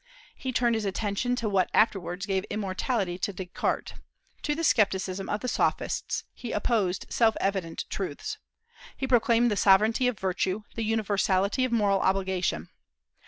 He turned his attention to what afterwards gave immortality to Descartes. To the scepticism of the Sophists he opposed self evident truths. He proclaimed the sovereignty of virtue, the universality of moral obligation.